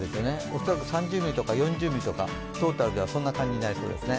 恐らく３０ミリとか４０ミリとかトータルだとそんな感じになりそうですね。